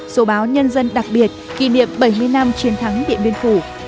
số báo nhân dân đặc biệt kỷ niệm bảy mươi năm chiến thắng điện biên phủ